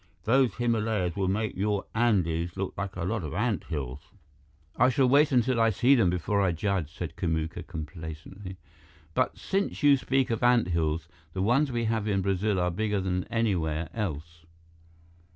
Those Himalayas will make your Andes look like a lot of ant hills." "I shall wait until I see them before I judge," said Kamuka complacently. "But since you speak of ant hills, the ones we have in Brazil are bigger than anywhere else."